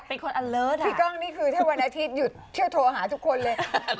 เป็นคนอัลเลิศพี่ก้องนี่คือถ้าวันอาทิตยุดเที่ยวโทรหาทุกคนเลย